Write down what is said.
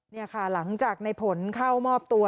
นี่ค่ะหลังจากในผลเข้ามอบตัว